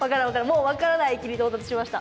もう分からない域に到達しました。